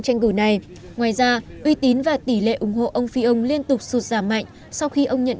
tranh cử này ngoài ra uy tín và tỷ lệ ủng hộ ông phi ông liên tục sụt giảm mạnh sau khi ông nhận